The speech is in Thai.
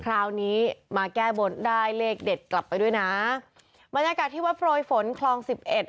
คราวนี้มาแก้บนได้เลขเด็ดกลับไปด้วยนะบรรยากาศที่วัดโปรยฝนคลองสิบเอ็ด